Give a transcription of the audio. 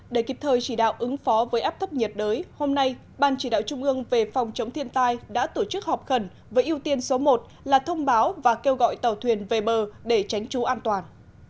để kịp thời chỉ đạo ứng phó với áp thấp nhiệt đới hôm nay ban chỉ đạo trung ương về phòng chống thiên tai đã tổ chức họp khẩn với ưu tiên số một là thông báo và kêu gọi tàu thuyền về bờ để tránh trú an toàn